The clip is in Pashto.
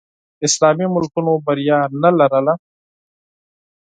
اسلامي ملکونو بریا نه درلوده